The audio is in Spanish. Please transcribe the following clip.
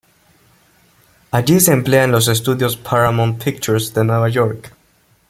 Allí se emplea en los estudios Paramount Pictures de Nueva York.